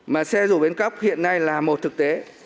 mà xe rùa biến cấp hiện nay là một thực tế